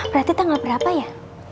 berarti tanggal berapa ya